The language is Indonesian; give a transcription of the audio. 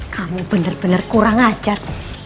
kamu benar benar kurang ajar